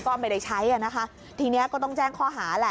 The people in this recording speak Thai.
ก็ไม่ได้ใช้ทีนี้ก็ต้องแจ้งข้อหา